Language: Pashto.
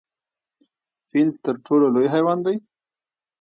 فیل تر ټولو لوی حیوان دی؟